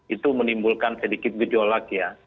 itu menimbulkan sedikit gejolak ya